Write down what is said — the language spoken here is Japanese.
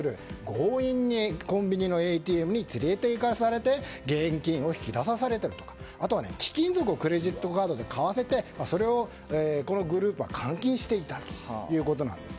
強引にコンビニのＡＴＭに連れていかされて現金を引き出されたりとかあとは貴金属をクレジットカードで買わせてそれをこのグループは換金していたということです。